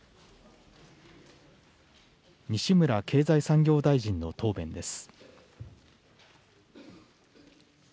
西村経済産業大臣の答弁です。